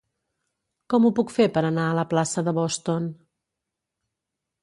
Com ho puc fer per anar a la plaça de Boston?